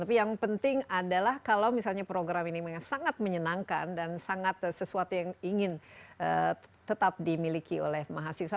tapi yang penting adalah kalau misalnya program ini sangat menyenangkan dan sangat sesuatu yang ingin tetap dimiliki oleh mahasiswa